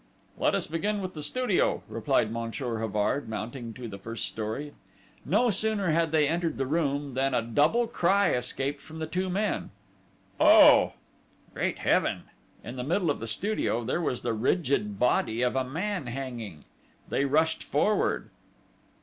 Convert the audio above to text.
"Let us begin with the studio," replied Monsieur Havard, mounting to the first story. No sooner had they entered the room, than a double cry escaped from the two men. "Oh!..." "Great Heaven!..." In the very middle of the studio, there was the rigid body of a man hanging. They rushed forward....